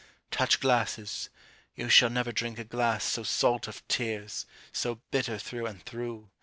Touch glasses ! Tou shall never drink a glass So salt of tears, so bitter through and through.